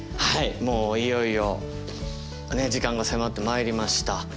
もういよいよ時間が迫ってまいりました。